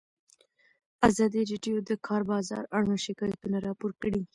ازادي راډیو د د کار بازار اړوند شکایتونه راپور کړي.